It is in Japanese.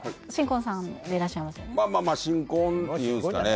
まあまあまあ新婚っていうんすかね